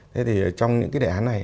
thế thì trong những cái đề án này